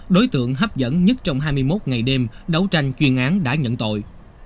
đối tượng hấp dẫn nhất trong hai mươi một ngày đêm đấu tranh chuyên án đã nhận tội